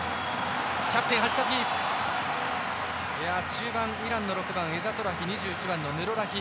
中盤、イランのエザトラヒ２１番のヌロラヒ